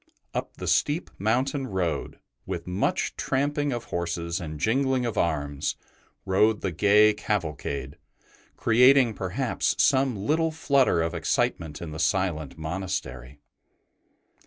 Up the steep mountain road, with much tramping of horses and jingling of arms, rode the gay cavalcade, creating perhaps some little flutter of excitement in the silent monastery.